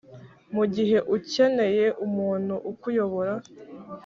mugihe ukeneye umuntu ukuyobora…